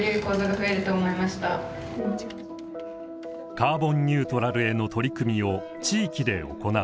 カーボンニュートラルへの取り組みを地域で行う。